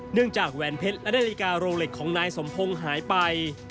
จากแหวนเพชรและนาฬิกาโรเล็กของนายสมพงศ์หายไป